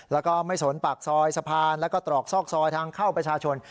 แล้วก็ไม่สนปากซอยสะพานแล้วก็ตรอกซอกซอยทางเข้าประชาชน